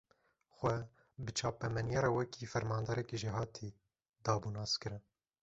Xwe, bi çapemeniyê re wekî fermandarekî jêhatî, dabû naskirin